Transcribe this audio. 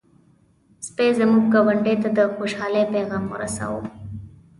سپي زموږ ګاونډی ته د خوشحالۍ پيغام ورساوه.